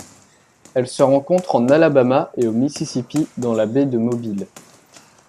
Elle se rencontre en Alabama et au Mississippi dans la baie de Mobile.